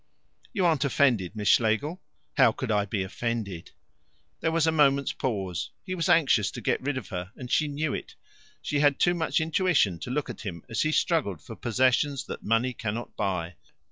"You aren't offended, Miss Schlegel?" "How could I be offended?" There was a moment's pause. He was anxious to get rid of her, and she knew it. She had too much intuition to look at him as he struggled for possessions that money cannot buy.